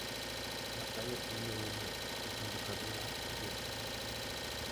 La playa tiene una desembocadura fluvial.